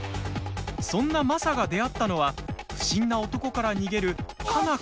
そんなマサが出会ったのは不審な男から逃げる佳奈